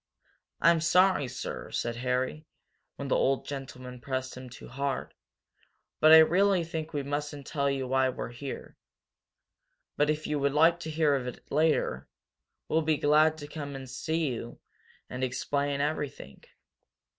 "I'm sorry, sir," said Harry, when the old gentleman pressed him too hard. "But I really think we mustn't tell you why we're here. But if you would like to hear of it later, we'll be glad to come to see you and explain everything."